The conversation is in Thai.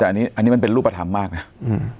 แต่อันนี้อันนี้มันเป็นรูปธรรมมากนะอืม